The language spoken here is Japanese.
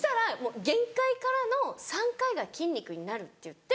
限界からの３回が筋肉になるって言って。